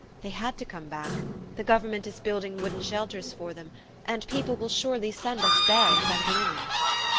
They had to come back. The government is building wooden shelters for them; and people will surely send us beds and linen."